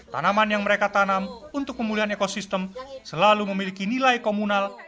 tanaman yang mereka tanam untuk pemulihan ekosistem selalu memiliki nilai komunal yang lebih tinggi